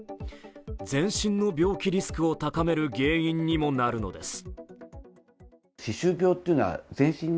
全身の病気リスクを高める原因にもなるのです。